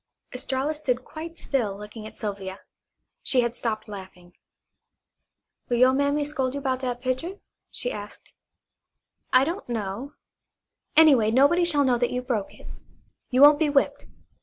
Estralla stood quite still looking at Sylvia. She had stopped laughing. "Will you' mammy scold you 'bout dat pitcher?" she asked. "I don't know. Anyway, nobody shall know that you broke it. You won't be whipped.